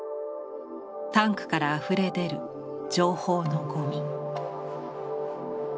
タンクからあふれ出る情報のゴミ。